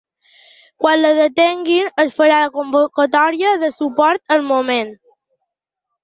Quan la detinguin es farà convocatòria de suport al moment!